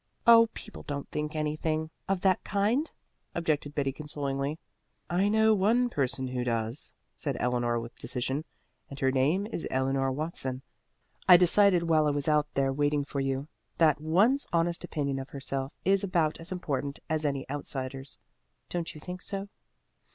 "Oh, people don't think anything of that kind," objected Betty consolingly. "I know one person who does," said Eleanor with decision, "and her name is Eleanor Watson. I decided while I was out there waiting for you that one's honest opinion of herself is about as important as any outsider's. Don't you think so?"